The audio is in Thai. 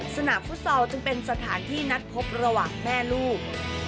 สนามฟุตซอลจึงเป็นสถานที่นัดพบระหว่างแม่ลูก